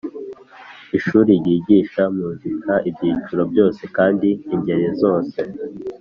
ishuri ryigisha muzika ibyiciro byose kandi ingeri zose.